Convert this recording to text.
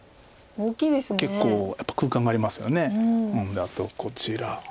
あとこちら。